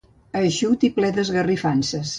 Eixut i ple d'esgarrifances.